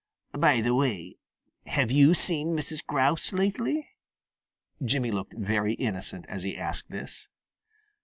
By the way, have you seen Mrs. Grouse lately?" Jimmy looked very innocent as he asked this.